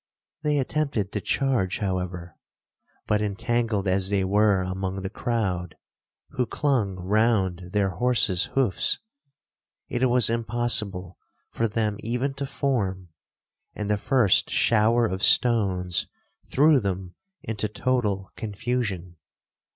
They attempted to charge, however; but, entangled as they were among the crowd, who clung round their horses hoofs, it was impossible for them even to form, and the first shower of stones threw them into total confusion.